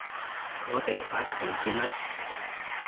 我哋法庭見啦